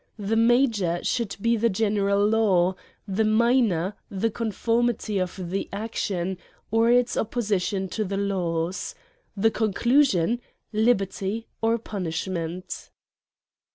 The major should be the general law ; the minor, the conformity of the action, or its opposition to the laws ; the conclusion^ liberty, or punishment.